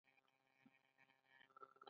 د کاناډا په ختیځ کې کچالو کیږي.